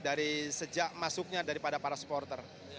dari sejak masuknya daripada para supporter